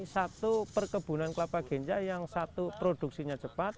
satu perkebunan kelapa ganja yang satu produksinya cepat